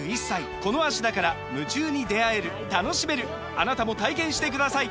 あなたも体験してください！